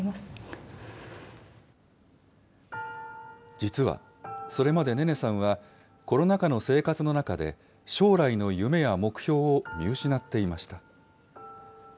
実は、それまでネネさんは、コロナ禍の生活の中で、将来の夢や目標を見失っていました。